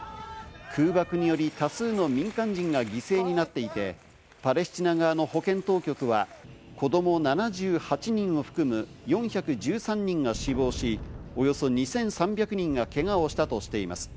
空爆により多数の民間人が犠牲になっていて、パレスチナ側の保健当局は子ども７８人を含む４１３人が死亡し、およそ２３００人がけがをしたとしています。